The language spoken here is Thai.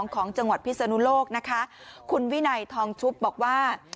ของจังหวัดพิศนุโลกนะคะคุณวินัยทองชุบบอกว่า